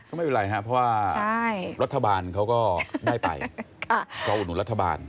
ก็ไม่เป็นไรครับเพราะว่ารัฐบาลเขาก็ได้ไปรออุดหนุนรัฐบาล